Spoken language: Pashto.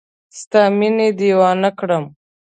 ستا مینې دیوانه کړم